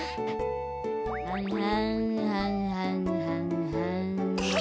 はんはんはんはんはんはん。